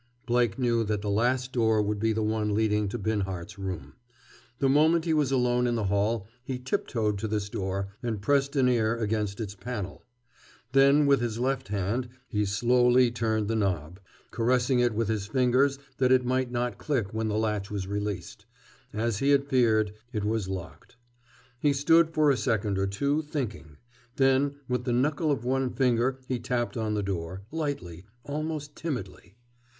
Blake knew that the last door would be the one leading to Binhart's room. The moment he was alone in the hall he tiptoed to this door and pressed an ear against its panel. Then with his left hand, he slowly turned the knob, caressing it with his fingers that it might not click when the latch was released. As he had feared, it was locked. He stood for a second or two, thinking. Then with the knuckle of one finger he tapped on the door, lightly, almost timidly.